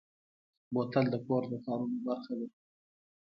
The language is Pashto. بوتل د کور د کارونو برخه ده.